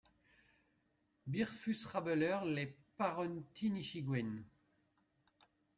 bir fus rabbeler le paron ti Nichinguenne.